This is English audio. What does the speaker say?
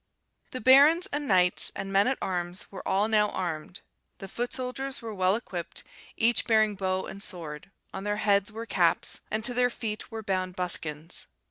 "The barons, and knights, and men at arms were all now armed; the foot soldiers were well equipped, each bearing bow and sword; on their heads were caps, and to their feet were bound buskins.